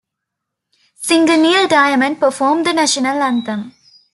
Singer Neil Diamond performed the national anthem.